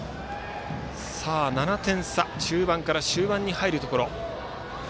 ７点差中盤から終盤に入るところ。